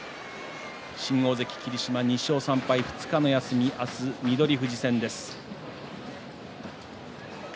新大関霧島２勝３敗２日の休み明日は翠富士戦です。